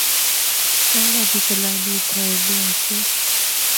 پہلا بھی سیلانی اِتھا ایندے آسے۔